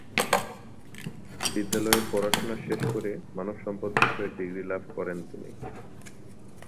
বিদ্যালয়ের পড়াশোনা শেষ করে মানবসম্পদ বিষয়ে ডিগ্রী লাভ করেন তিনি।